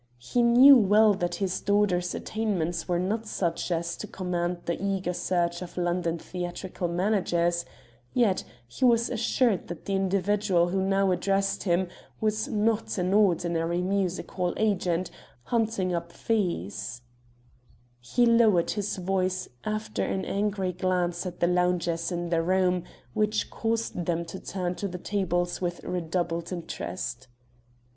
He knew well that his daughter's attainments were not such as to command the eager search of London theatrical managers, yet he was assured that the individual who now addressed him was not an ordinary music hall agent, hunting up fees. He lowered his voice, after an angry glance at the loungers in the room, which caused them to turn to the tables with redoubled interest.